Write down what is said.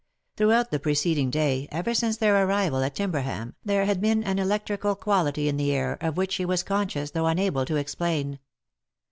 Throughout the preceding day, ever since their arrival at Timberham, there had been an electrical quality in the air, of which she was conscious, though unable to explain.